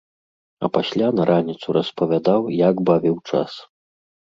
А пасля на раніцу распавядаў, як бавіў час.